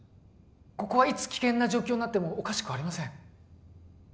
ここはいつ危険な状況になってもおかしくありません